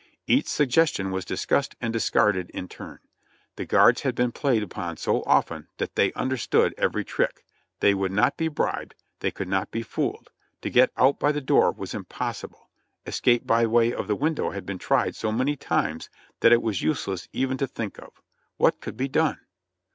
Each suggestion was discussed and discarded in turn ; the guards had been played upon so often that they understood every trick, they would not be bribed, they could not be fooled, to get out by the door was impossible, escape by way of the window had been tried so many times that it was useless even to think of — what could be done?